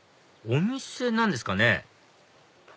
お店なんですかね？